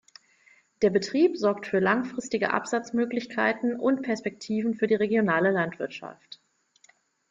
Der Betrieb sorgt für langfristige Absatzmöglichkeiten und Perspektiven für die regionale Landwirtschaft.